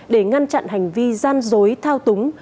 để ngăn chặn hành vi gian dối thao túng